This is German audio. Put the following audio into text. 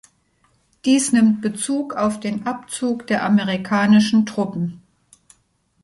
Dies nimmt Bezug auf den Abzug der amerikanischen Truppen.